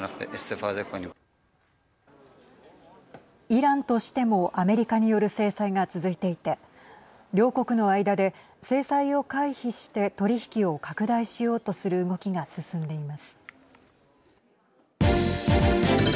イランとしてもアメリカによる制裁が続いていて両国の間で制裁を回避して取り引きを拡大しようとする動きが進んでいます。